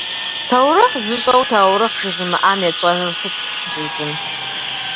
Таурыхъ зыщӏэу таурыхъ жызымыӏам етщӏэнур сыт?- жи зым.